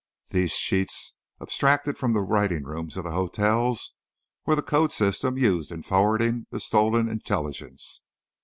These sheets, abstracted from the writing rooms of the hotels, were the code system used in forwarding the stolen intelligence.